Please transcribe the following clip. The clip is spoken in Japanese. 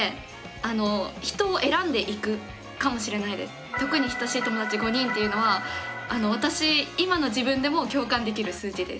私は「特に親しい友達５人」っていうのは私今の自分でも共感できる数字です。